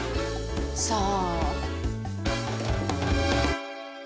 さあ。